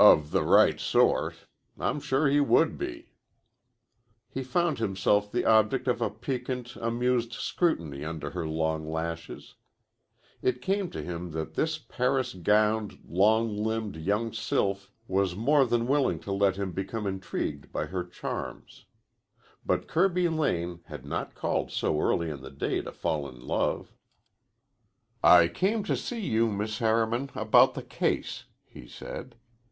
"Of the right sort. I'm sure he would be." He found himself the object of a piquant, amused scrutiny under her long lashes. It came to him that this Paris gowned, long limbed young sylph was more than willing to let him become intrigued by her charms. But Kirby Lane had not called so early in the day to fall in love. "I came to see you, Miss Harriman, about the case," he said.